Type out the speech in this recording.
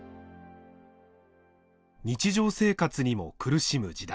日常生活にも苦しむ時代。